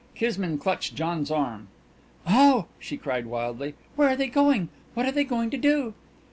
Kismine clutched John's arm. "Oh," she cried wildly, "where are they going? What are they going to do?"